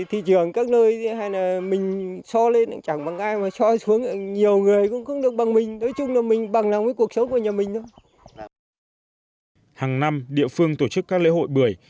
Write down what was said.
hàng năm địa phương tổ chức các lễ hội bưởi